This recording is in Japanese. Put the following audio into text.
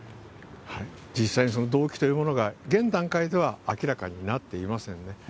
実際にその動機というものが、現段階では明らかになっていませんね。